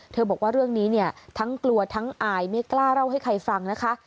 บอกว่าเรื่องนี้เนี่ยทั้งกลัวทั้งอายไม่กล้าเล่าให้ใครฟังนะคะ